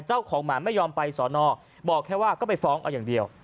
เจ้าของหมาไม่ยอมไปสอนอบอกแค่ว่าก็ไปฟ้องเอาอย่างเดียว